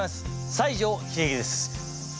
西城秀樹です。